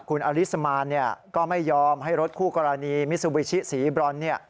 คุณอลิสมานก็ไม่ยอมให้รถคู่กรณีมิซูบิชิสีบรอน